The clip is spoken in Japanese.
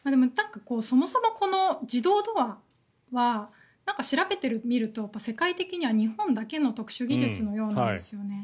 そもそも自動ドアはなんか調べてみると世界的には日本だけの特殊技術のようなんですよ。